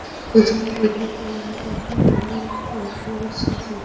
প্রথম পরিয়ডের পর আর কখনো এমন কনফিউজ হইনি আমি।